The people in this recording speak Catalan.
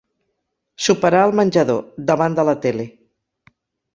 Soparà al menjador, davant de la tele.